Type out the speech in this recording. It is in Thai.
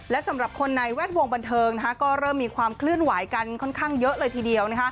และสำหรับคนในแวดวงบันเทิงก็เริ่มมีความเคลื่อนไหวกันค่อนข้างเยอะเลยทีเดียว